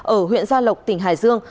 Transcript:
ở huyện gia lộc tỉnh hải dương